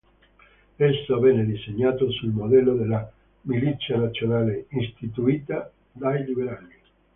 Esso venne disegnato sul modello della Milizia Nazionale, istituita dai liberali.